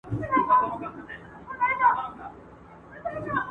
ولس هم مسؤليت لري.